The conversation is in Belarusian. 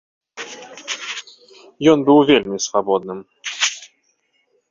Ён быў вельмі свабодным.